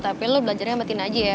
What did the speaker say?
tapi lo belajarnya metin aja ya